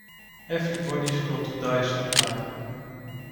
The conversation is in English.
Everybody's got to die sometime.